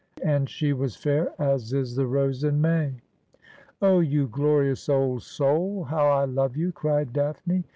'and she was faie as is the rose in may.' ' Oh, you glorious old Sol, how I love you !' cried Daphne.